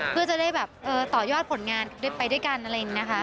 เพื่อจะได้แบบต่อยอดผลงานไปด้วยกันอะไรอย่างนี้นะคะ